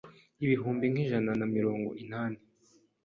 ibihumbi nk’ijana na mirongo inani